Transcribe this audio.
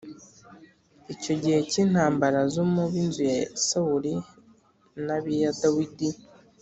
Icyo gihe cy’intambara zo mu b’inzu ya Sawuli n’ab’iya Dawidi